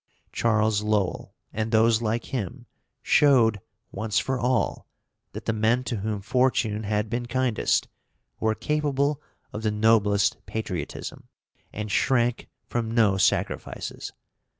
Charles Lowell, and those like him, showed, once for all, that the men to whom fortune had been kindest were capable of the noblest patriotism, and shrank from no sacrifices.